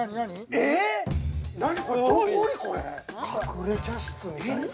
隠れ茶室みたい。